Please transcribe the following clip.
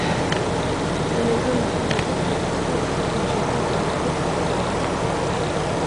Men en ömtålig uppriktighet gör sig oskyldigt lustig över dem.